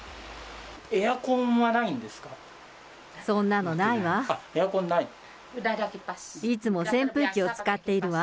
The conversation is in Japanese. そんなのないわ。